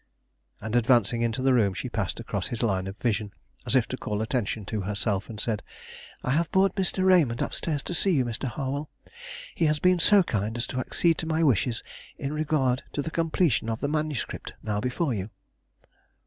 And, advancing into the room, she passed across his line of vision, as if to call attention to herself, and said: "I have brought Mr. Raymond up stairs to see you, Mr. Harwell. He has been so kind as to accede to my wishes in regard to the completion of the manuscript now before you."